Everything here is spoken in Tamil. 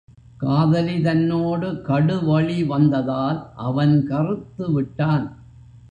காதலி தன்னோடு கடுவழி வந்ததால் அவன் கறுத்து விட்டான்.